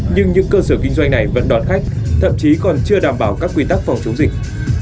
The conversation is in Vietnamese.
nhưng những cơ sở kinh doanh này vẫn đón khách thậm chí còn chưa đảm bảo các quy tắc phòng chống dịch